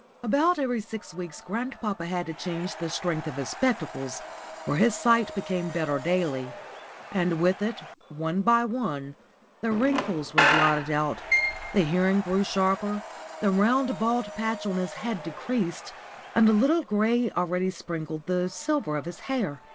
About every six weeks grandpapa had to change the strength of his spectacles, for his sight became better daily; and with it, one by one, the wrinkles were blotted out, the hearing grew sharper, the round, bald patch on his head decreased, and a little grey already sprinkled the silver of his hair.